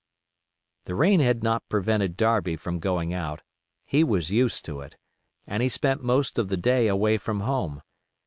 The rain had not prevented Darby from going out—he was used to it; and he spent most of the day away from home.